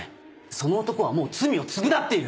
その男はもう罪を償っている。